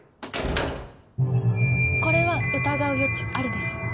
これは疑う余地ありです。